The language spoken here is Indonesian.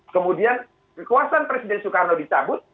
kemudian kekuasaan presiden soekarno dicabut